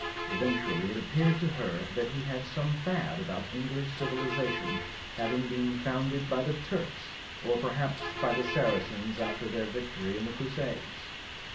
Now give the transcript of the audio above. Eventually it appeared to her that he had some fad about English civilisation having been found ed by the Turks ; or, perhaps by the Saracens after their victory in the Crusades.